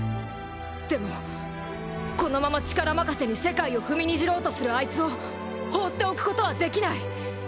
でもこのまま力任せに世界を踏みにじろうとするアイツを放っておくことはできない。